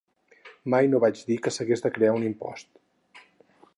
Mai no vaig dir que s’hagués de crear un impost.